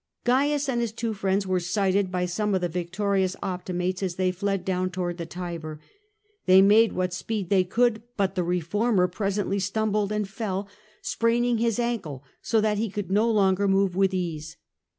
Gains and his two friends were sighted by some of the victorious Optimates as they fled down towards the Tiber. They made what speed they could, but the reformer pre sently stumbled and fell, spraining his ankle, so that he could no longer move with ease.